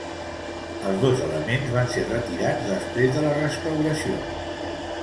Els dos elements van ser retirats després de la restauració.